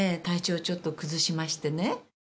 体調をちょっと崩しましてね。